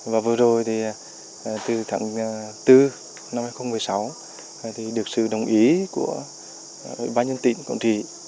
và vừa rồi từ tháng bốn năm hai nghìn một mươi sáu được sự đồng ý của ba nhân tỉnh quản trị